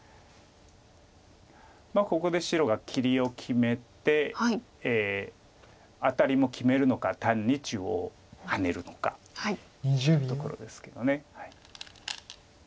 ここで白が切りを決めてアタリも決めるのか単に中央ハネるのかというところですけど。